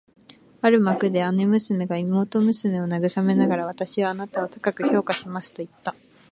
ある幕で姉娘が妹娘を慰めながら、「私はあなたを高く評価します」と言った